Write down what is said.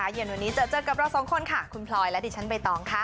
เย็นวันนี้เจอเจอกับเราสองคนค่ะคุณพลอยและดิฉันใบตองค่ะ